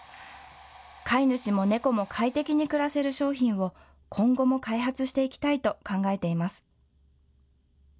飼い主も猫も快適に暮らせる商品を今後も開発していきたいと考えています。